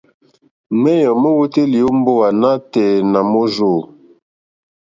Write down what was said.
Ŋwéyò mówǒtélì ó mbówà nǎtɛ̀ɛ̀ nà môrzô.